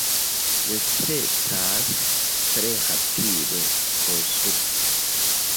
Necesas tre rapide konsulti.